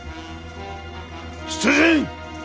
出陣！